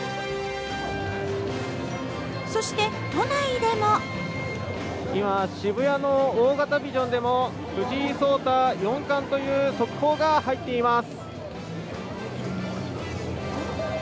そして、都内でも今、渋谷の大型ビジョンでも藤井聡太四冠という速報が入っています。